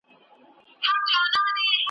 تر اسمان لاندي تر مځکي شهنشاه یم .